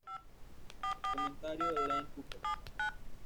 Comentario de Lane Cooper.